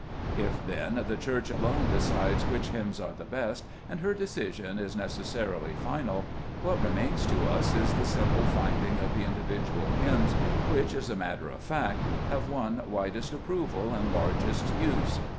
If, then, the Church alone decides which hymns are the best, and her decision is neces sarily final, what remains to us is the simple finding of the individual hymns which, as a matter of fact, have won widest approval and largest use.